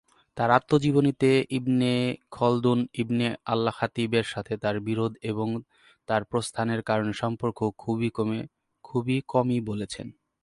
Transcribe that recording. তার আত্মজীবনীতে, Ibn Khaldun Ibn আল-খাতিবের সাথে তার বিরোধ এবং তার প্রস্থানের কারণ সম্পর্কে খুব কমই বলেছেন।